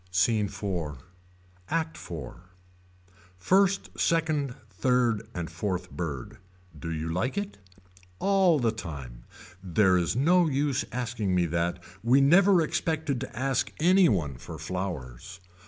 SCENE IV. ACT IV. First second third and fourth bird. Do you like it. All the time. There is no use asking me that. We never expected to ask any one for flowers.